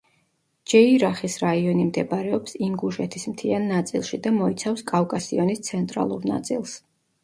ჯეირახის რაიონი მდებარეობს ინგუშეთის მთიან ნაწილში და მოიცავს კავკასიონის ცენტრალურ ნაწილს.